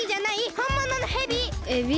ほんもののヘビ！